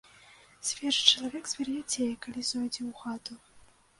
Свежы чалавек звар'яцее, калі зойдзе ў хату.